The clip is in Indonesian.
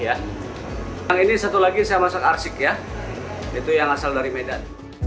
yang ini satu lagi saya masak arsik ya itu yang asal dari medan